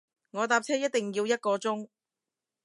我搭車一定要一個鐘